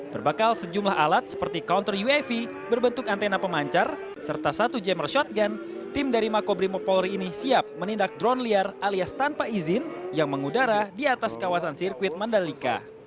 berbakal sejumlah alat seperti counter uav berbentuk antena pemancar serta satu jammer shotgun tim dari makobrimopolri ini siap menindak drone liar alias tanpa izin yang mengudara di atas kawasan sirkuit mandalika